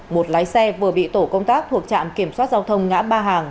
một lái xe vừa bị tổ công tác thuộc trạm kiểm soát giao thông ngã ba hàng